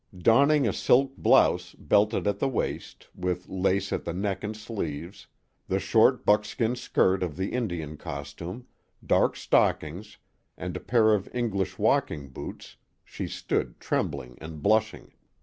Donning a silk blouse, belted at the waist, with lace at the neck and sleeves, the short buckskin skirt of the Indian costume, dark stockings, and a pair of English walking boots, she stood trem bling and blushing.